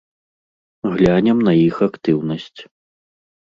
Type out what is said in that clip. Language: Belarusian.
Глянем на іх актыўнасць.